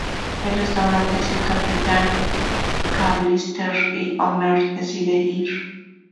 El restaurante es del capitán McAllister, y Homer decide ir.